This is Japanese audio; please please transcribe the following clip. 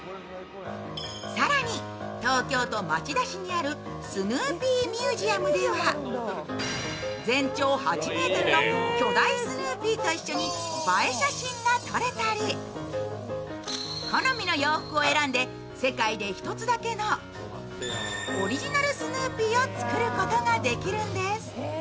更に、東京都町田市にあるスヌーピーミュージアムでは全長８ｍの巨大スヌーピーと一緒に映え写真が撮れたり好みの洋服を選んで世界で１つだけのオリジナルスヌーピーを作ることができるんです。